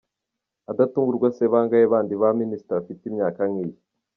Adatungurwa se bangahe bandi ba Minister bafite imyaka nk'iye?.